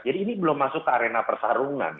jadi ini belum masuk ke arena persarungan